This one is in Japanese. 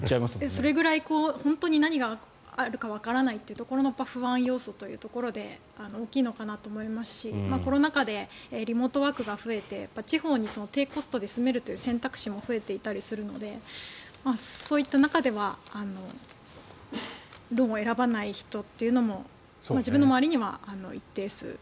それぐらい本当に何があるかわからないというところの不安要素というのが大きいのかなと思いますしコロナ禍でリモートワークが増えて地方に低コストで住めるという選択肢も増えていたりするのでそういった中ではローンを選ばない人というのも自分の周りには一定数います。